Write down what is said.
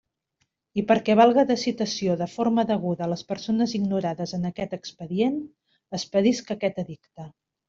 I perquè valga de citació de forma deguda a les persones ignorades en aquest expedient, expedisc aquest edicte.